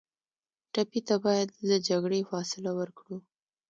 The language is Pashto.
ټپي ته باید له جګړې فاصله ورکړو.